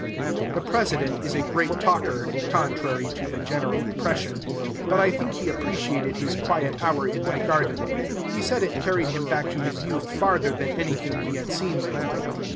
The President is a great talker (contrary to the general impression); but I think he appreciated his quiet hour in my garden. He said it carried him back to his youth farther than anything he had seen lately.